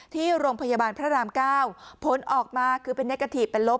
ที่โรงพยาบาลพระรามเก้าผลออกมาคือเป็นเนกถีบเป็นลบ